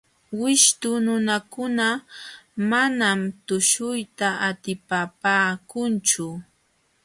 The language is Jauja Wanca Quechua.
Wishtu nunakuna manam tuśhuyta atipapaakunchu.